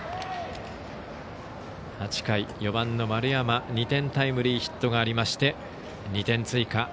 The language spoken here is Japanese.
８回、４番の丸山２点タイムリーヒットがありまして２点追加。